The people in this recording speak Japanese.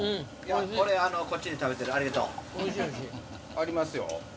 ありますよ。